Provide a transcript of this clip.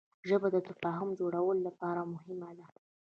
ژبه د تفاهم د جوړولو لپاره مهمه ده